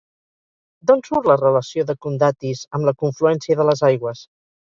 D'on surt la relació de Condatis amb la confluència de les aigües?